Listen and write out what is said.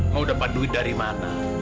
mau dapat duit dari mana